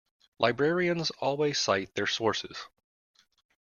Librarians always cite their sources.